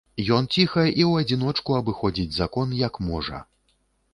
Ён ціха і ў адзіночку абыходзіць закон, як можа.